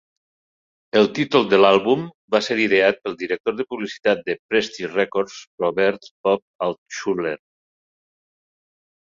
El títol de l'àlbum va ser ideat pel director de publicitat de Prestige Records, Robert "Bob" Altshuler.